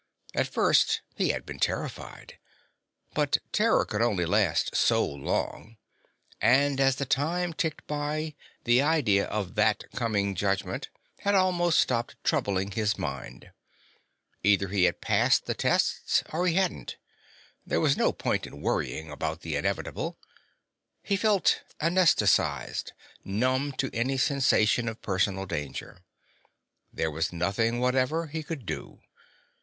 At first he had been terrified. But terror could only last so long, and, as the time ticked by, the idea of that coming judgment had almost stopped troubling his mind. Either he had passed the tests or he hadn't. There was no point in worrying about the inevitable. He felt anesthetized, numb to any sensation of personal danger. There was nothing whatever he could do.